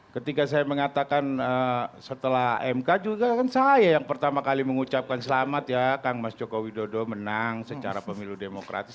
ketika saya mengatakan setelah mk juga kan saya yang pertama kali mengucapkan selamat ya kang mas joko widodo menang secara pemilu demokratis